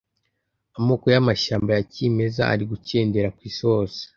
Amoko y’amashyamba ya kimeza ari gukendera ku isi hose